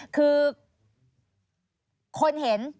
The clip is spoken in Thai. คือคนเห็น